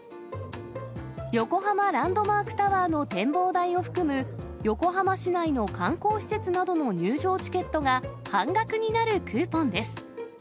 横浜ランドマークタワーの展望台を含む、横浜市内の観光施設などの入場チケットが、半額になるクーポンです。